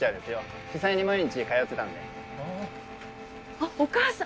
あっお母さん。